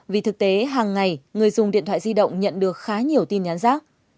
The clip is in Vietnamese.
vì thực tế hàng ngày người dùng điện thoại di động nhận được khá nhiều tin nhắn rác